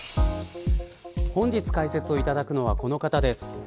本日解説をいただくのはこの方です。